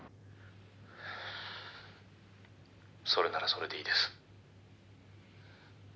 「それならそれでいいです」